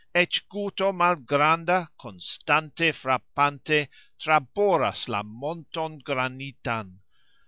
Ecx guto malgranda, konstante frapante, Traboras la monton granitan.